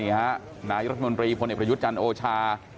นี่ค่ะนายรัฐมนตรีพลเอกพระยุทธจันทร์โอชา